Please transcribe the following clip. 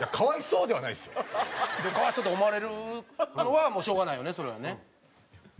可哀想と思われるのはもうしょうがないよねそれはね。